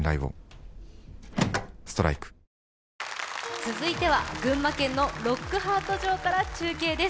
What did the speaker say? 続いては群馬県のロックハート城から中継です。